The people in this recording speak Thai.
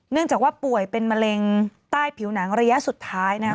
เนื่องจากว่าป่วยเป็นมะเร็งใต้ผิวหนังระยะสุดท้ายนะครับ